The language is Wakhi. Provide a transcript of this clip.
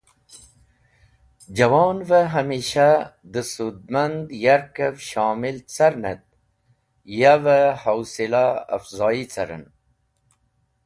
Jawonve Hamisha de sudmand yarkev shomil carnet yave howsila afzoyi caren.